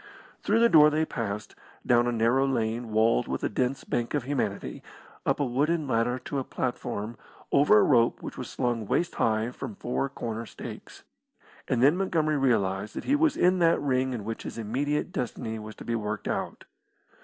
Through the door they passed, down a narrow lane walled with a dense bank of humanity, up a wooden ladder to a platform, over a rope which was slung waist high from four corner stakes, and then Montgomery realised that he was in that ring in which his immediate destiny was to be worked out.